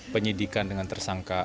penyidikan dengan tersangka